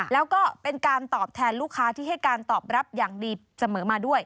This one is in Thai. แล้วก็เป็นการตอบแทนลูกค้าที่ให้การตอบรับอย่างดีเสมอมาด้วย